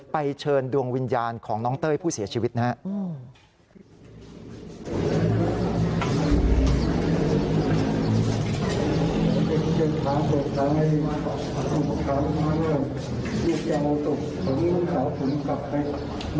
เชิญดวงวิญญาณของน้องเต้ยผู้เสียชีวิตนะครับ